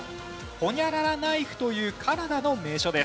ホニャララナイフというカナダの名所です。